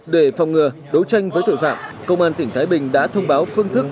để phòng ngừa đấu tranh với tội phạm công an tỉnh thái bình đã thông báo phương thức